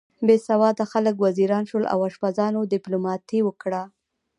بې سواده خلک وزیران شول او اشپزانو دیپلوماتۍ وکړه.